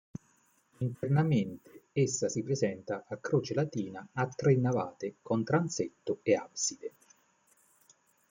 Internamente, essa si presenta a croce latina a tre navate con transetto e abside.